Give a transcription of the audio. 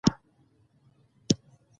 ستاسي ټول سلاکاران ورته حیران دي